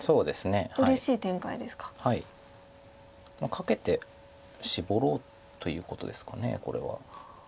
カケてシボろうということですかこれは。